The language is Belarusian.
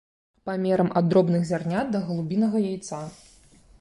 Памерам ад дробных зярнят да галубінага яйца.